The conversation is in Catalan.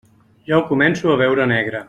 Ja ho començo a veure negre.